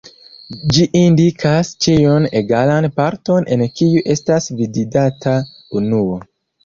Ĝi indikas ĉiun egalan parton en kiu estas dividata unuo.